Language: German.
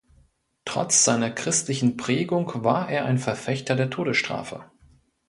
Trotz seiner christlichen Prägung war er ein Verfechter der Todesstrafe.